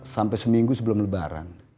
sampai seminggu sebelum lebaran